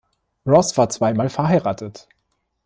Ross war zweimal verheiratet.